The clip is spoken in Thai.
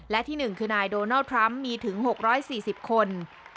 และที่๑คือนายโดนัลด์ทรัมป์มีถึง๖๔๐คน